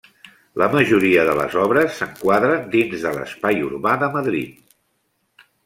La majoria de les obres s'enquadren dins de l'espai urbà de Madrid.